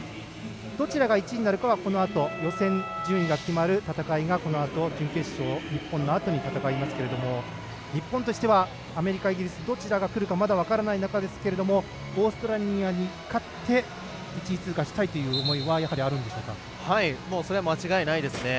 どちらが１位になるかはこのあと順位が決まる戦いが、このあと準決勝日本のあとに戦いますけれども日本としてはアメリカ、イギリスどちらがくるか分からないところですけれどもオーストラリアに勝って１位通過したいという思いはそれは間違いないですね。